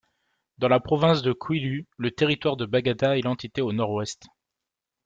Dans la province du Kwilu, le territoire de Bagata est l'entité au nord-ouest.